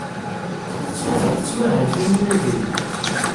Mazal tettmahal Taninna din?